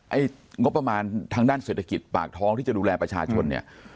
งบประมาณทางด้านเศรษฐกิจปากท้องที่จะดูแลประชาชนเนี่ย